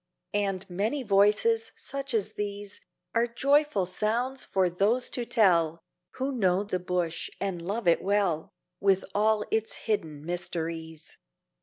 And many voices such as these Are joyful sounds for those to tell, Who know the Bush and love it well, With all its hidden mysteries.